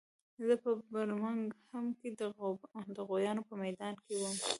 زه په برمنګهم کې د غویانو په میدان کې وم